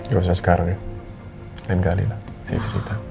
gak usah sekarang ya lain kali lah saya cerita